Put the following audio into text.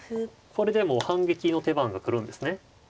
これでも反撃の手番が来るんですね。